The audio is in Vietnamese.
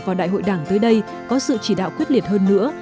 và đại hội đảng tới đây có sự chỉ đạo khuyết liệt hơn nữa